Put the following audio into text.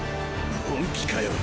本気かよ。